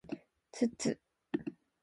つつ